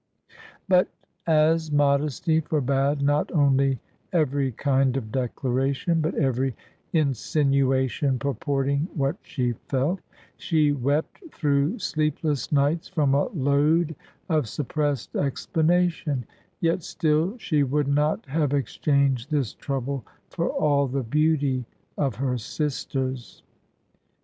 But as modesty forbade not only every kind of declaration, but every insinuation purporting what she felt, she wept through sleepless nights from a load of suppressed explanation; yet still she would not have exchanged this trouble for all the beauty of her sisters.